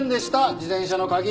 自転車の鍵。